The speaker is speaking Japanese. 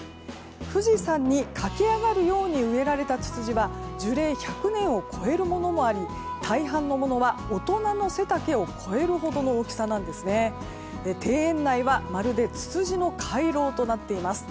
富士山に駆け上がるように植えられたツツジは樹齢１００年を超えるものもあり大半のものは大人の背丈を超えるほどの大きさで、庭園内はまるでつつじの回廊となっています。